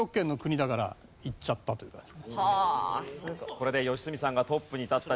これで良純さんがトップに立った。